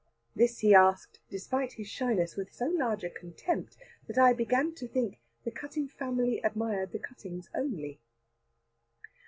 This he asked, despite his shyness, with so large a contempt, that I began to think the Cutting family admired the Cuttings only.